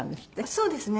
そうですね。